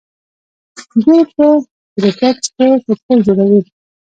دوی په هیلیفیکس کې کښتۍ جوړوي.